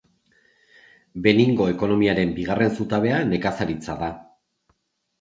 Beningo ekonomiaren bigarren zutabea nekazaritza da.